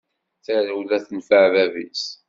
Tarewla tenfeɛ bab-is.